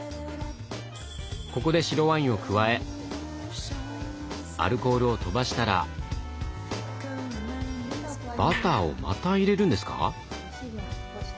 ここで白ワインを加えアルコールを飛ばしたらバターをまた入れるんですか